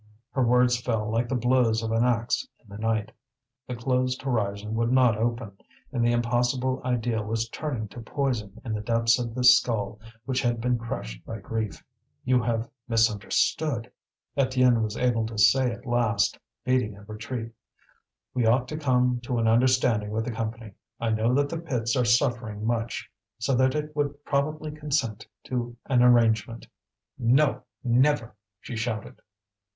Her words fell like the blows of an axe in the night. The closed horizon would not open, and the impossible ideal was turning to poison in the depths of this skull which had been crushed by grief. "You have misunderstood," Étienne was able to say at last, beating a retreat. "We ought to come to an understanding with the Company. I know that the pits are suffering much, so that it would probably consent to an arrangement." "No, never!" she shouted.